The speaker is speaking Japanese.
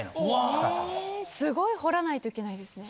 すごい掘らないといけないですね。